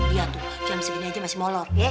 lihat tuh jam segini aja masih molot